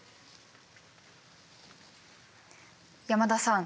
山田さん